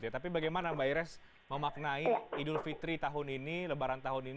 tapi bagaimana mbak ires memaknai idul fitri tahun ini lebaran tahun ini